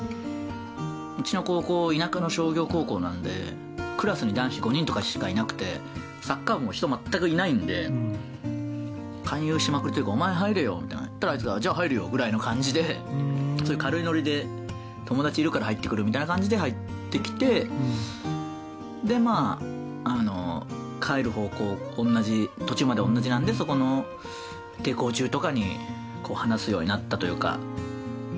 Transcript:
うちの高校、田舎の商業高校なんでクラスに男子５人とかしかいなくてサッカー部も人全くいないんで勧誘しまくりというかお前入れよみたいになったらあいつが、じゃあ入るよぐらいの感じで、そういう軽いノリで友達いるから入ってくるみたいな感じで入ってきて帰る方向、途中まで同じなんでそこの下校中とかに話すようになったというか。